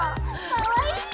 かわいい。